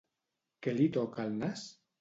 Què li toca el nas?